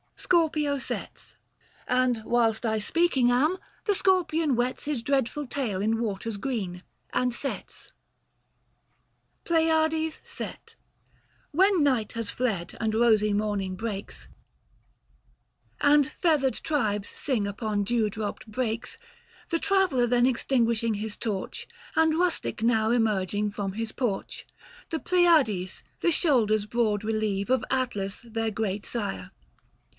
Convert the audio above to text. SCORPIO SETS. And whilst I speaking am, the Scorpion wets His dreadful tail in waters green, and sets. 180 IV. NON. APE. PLEIADES SET. When night has fled and rosy morning breaks ; And feathered tribes sing upon dew dropped brakes ; The traveller then extinguishing his torch, And rustic now emerging from his porch ; The Pleiades, the shoulders broad relieve, 185 Of Atlas their great sire.